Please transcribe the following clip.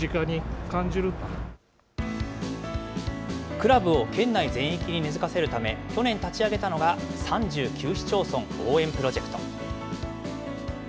クラブを県内全域に根づかせるため、去年立ち上げたのが、３９市町村応援プロジェクト。